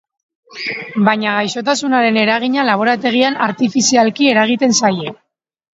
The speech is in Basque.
Baina gaixotasunaren eragina laborategian artifizialki eragiten zaie.